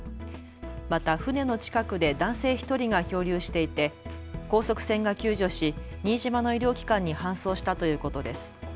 また船の近くで男性１人が漂流していて高速船が救助し新島の医療機関に搬送したということです。